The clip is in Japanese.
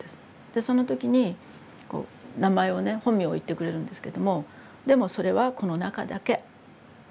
でその時にこう名前をね本名を言ってくれるんですけどもでもそれはこの中だけ信愛塾の中だけ。